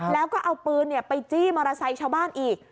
แล้วก็เอาปืนไปจี้มอเตอร์ไซค์ชาวบ้านอีก